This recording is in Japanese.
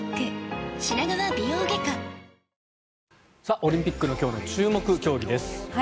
オリンピックの今日の注目競技です。